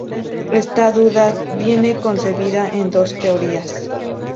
Ésta duda viene concebida en dos teorías.